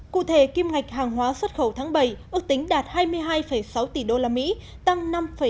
cụ thể kim ngạch hàng hóa xuất khẩu tháng bảy ước tính đạt hai mươi hai sáu tỷ usd tăng năm bảy